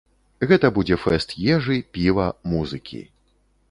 Гэта будзе фэст ежы, піва, музыкі.